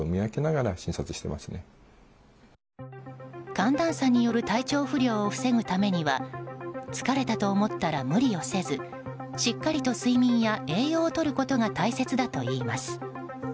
寒暖差による体調不良を防ぐためには疲れたと思ったら無理をせずしっかりと睡眠や栄養をとることが大切だといいます。